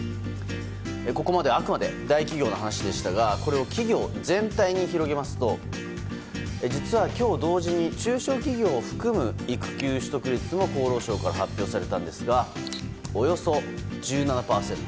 ここまであくまで大企業の話でしたがこれを企業全体に広げますと、実は今日同時に中小企業を含む育休取得率も厚労省から発表されたんですがおよそ１７％。